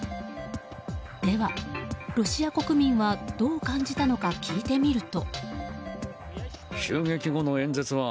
では、ロシア国民はどう感じたのか聞いてみると。